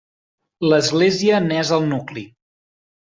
L'església n'és el nucli.